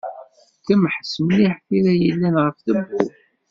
Temḥeṣ mliḥ tira yellan ɣef tewwurt.